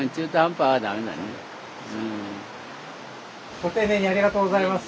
ご丁寧にありがとうございます。